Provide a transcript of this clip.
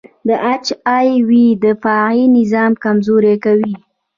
د اچ آی وي دفاعي نظام کمزوری کوي.